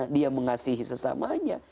dia mengasihi sesamanya